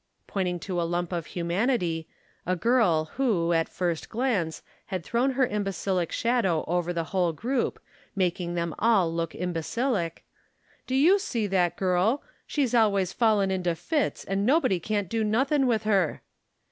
pointing to a lump of humanity, a girl who, at first glance, had thrown her imbecilic shadow over the whole group, making them all look imbecilic "do you see that girl ? She's always fallin' into fits, and nobody can't do nothin' with her."